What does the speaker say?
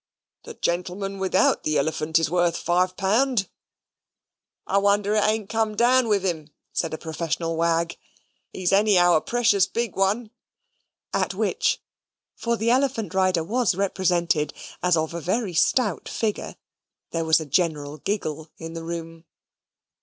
The gentleman without the elephant is worth five pound." "I wonder it ain't come down with him," said a professional wag, "he's anyhow a precious big one"; at which (for the elephant rider was represented as of a very stout figure) there was a general giggle in the room.